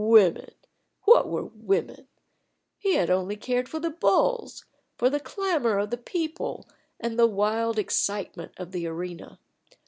Women! What were women? He had only cared for the bulls, for the clamor of the people, and the wild excitement of the arena.